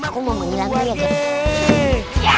aku mau menghilangkan ya guys